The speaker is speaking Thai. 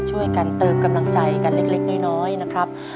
ช่วยกันเติมกำลังใจกันเล็กน้อยนะครับ